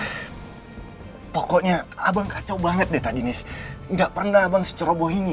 hai pokoknya abang kacau banget deh tadi nis nggak pernah abang secara bohingi